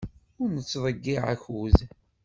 Ur nettḍeyyiɛ akud.